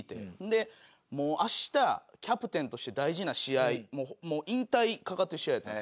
でもう明日キャプテンとして大事な試合もう引退かかってる試合やったんですよ。